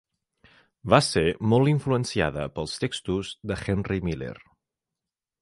Va ser molt influenciada pels textos de Henry Miller.